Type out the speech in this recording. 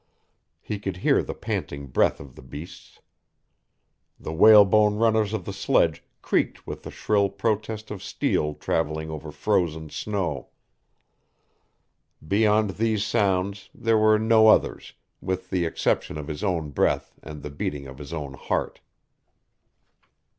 He could hear the panting breath of the beasts. The whalebone runners of the sledge creaked with the shrill protest of steel traveling over frozen snow. Beyond these sounds there were no others, with, the exception of his own breath and the beating of his own heart.